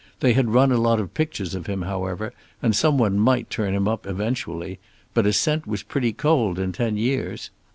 They had run a lot of pictures of him, however, and some one might turn him up eventually, but a scent was pretty cold in ten years.